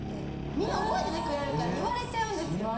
みんな覚えててくれるから言われちゃうんですよ。